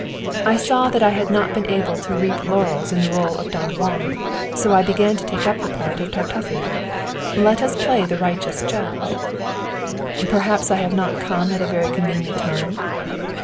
I saw that I had not been able to reap laurels in the rôle of Don Juan, so I began to take up the part of Tartuffe. Let us play the righteous judge! "Perhaps I have not come at a very convenient time?"